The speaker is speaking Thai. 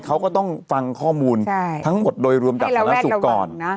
เขาก็ต้องฟังข้อมูลทั้งหมดโดยรวมจากศาลนักศูนย์ก่อน